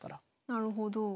なるほど。